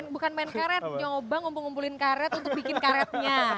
bukan main karet coba ngumpulin karet untuk bikin karetnya